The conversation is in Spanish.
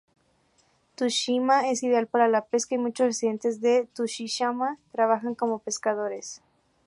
Tsushima es ideal para la pesca, y muchos residentes de Tsushima trabajan como pescadores.